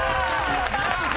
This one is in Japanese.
ナイス！